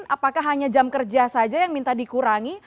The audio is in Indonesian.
apakah hanya jam kerja saja yang minta dikurangi